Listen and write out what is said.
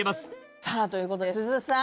さあということでｓｕｚさん。